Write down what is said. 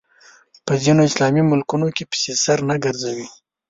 په ځینو اسلامي ملکونو کې پسې سر نه ګرځوي